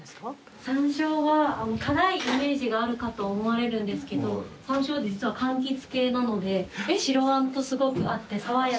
山椒は辛いイメージがあるかと思われるんですけどさんしょう実はかんきつ系なので白あんとすごく合って爽やかな感じ。